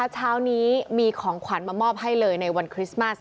เช้านี้มีของขวัญมามอบให้เลยในวันคริสต์มัส